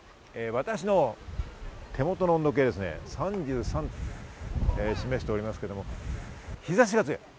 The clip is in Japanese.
私の手元の温度計、３３度を示していますけれど、日差しが強い。